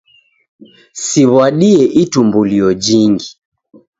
Siw'adie itumbulio jingi.